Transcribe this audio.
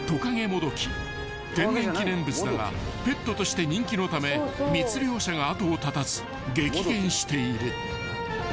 ［天然記念物だがペットとして人気のため密猟者が後を絶たず激減している］